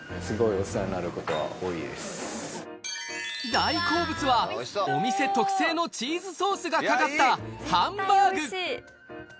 大好物はお店特製のチーズソースがかかったハンバーグ。